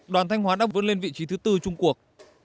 đoàn thanh hóa đang vươn lên vị trí thứ bốn trung quốc